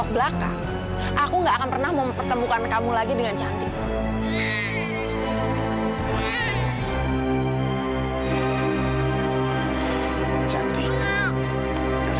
belakang aku nggak akan pernah mempertemukan kamu lagi dengan cantik